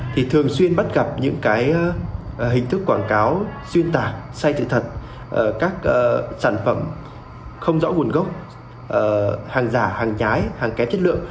thì thường xuyên bắt gặp những cái hình thức quảng cáo xuyên tả say thật các sản phẩm không rõ vùn gốc hàng giả hàng nhái hàng kép chất lượng